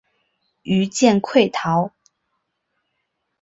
余舰溃逃。